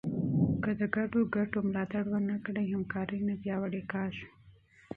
که د ګډو ګټو ملاتړ ونه کړې، همکاري نه پیاوړې کېږي.